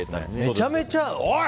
めちゃめちゃおい！